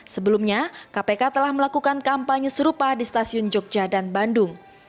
sebelumnya kpk telah melakukan kampanye serupa di stasiun jogja dan bandung